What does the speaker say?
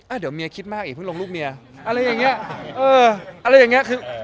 อ่ะเดี๋ยวเมียคิดมากอีกเพิ่งลงลูกเมียอะไรอย่างเงี้ยเอออะไรอย่างเงี้คือ